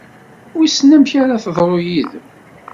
Wissen amek ara teḍru yid-m?